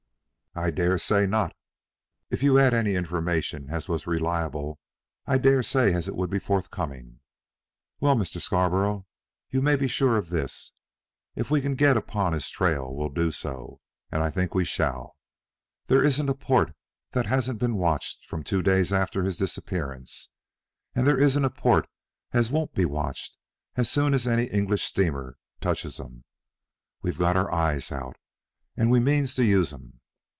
"I dare say not. If you'd any information as was reliable I dare say as it would be forthcoming. Well, Mr. Scarborough, you may be sure of this: if we can get upon his trail we'll do so, and I think we shall. There isn't a port that hasn't been watched from two days after his disappearance, and there isn't a port as won't be watched as soon as any English steamer touches 'em. We've got our eyes out, and we means to use 'em.